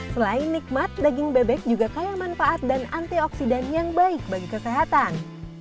selain nikmat daging bebek juga kaya manfaat dan antioksidan yang baik bagi kesehatan